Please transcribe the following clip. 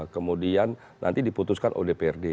kemudian nanti diputuskan odprd